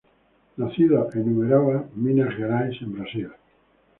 Nacido en Uberaba, Minas Gerais en Brasil.